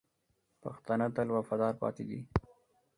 پښتانه تل وفادار پاتې دي.